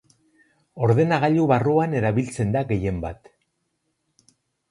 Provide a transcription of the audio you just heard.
Ordenagailu barruan erabiltzen da gehien bat.